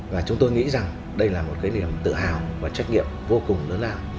và chúng tôi nghĩ rằng đây là một cái niềm tự hào và trách nhiệm vô cùng lớn lao